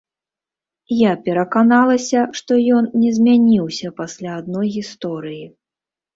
Я пераканалася, што ён не змяніўся пасля адной гісторыі.